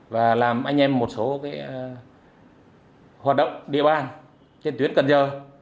và làm anh em một số hoạt động địa bàn trên tuyến cần giờ